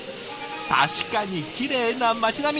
確かにきれいな街並み！